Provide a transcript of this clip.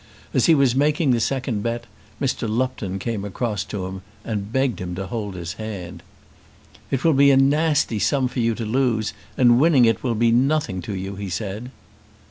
As he was making the second bet Mr. Lupton came across to him and begged him to hold his hand. "It will be a nasty sum for you to lose, and winning it will be nothing to you," he said.